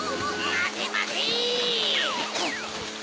まてまて！